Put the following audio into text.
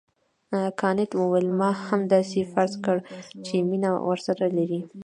کانت وویل ما هم همداسې فرض کړه چې مینه ورسره لرې.